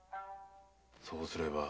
そうすれば。